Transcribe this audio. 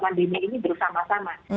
pandemi ini bersama sama